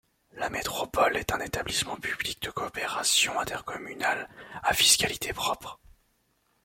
La métropole est un établissement public de coopération intercommunale à fiscalité propre.